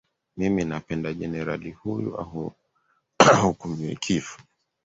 mimi napenda jenerali huyu ahukumiwe kifo